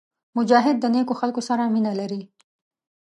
مجاهد د نیکو خلکو سره مینه لري.